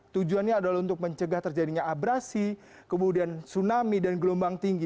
tujuannya adalah untuk mencegah terjadinya abrasi kemudian tsunami dan gelombang tinggi